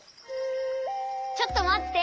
ちょっとまって！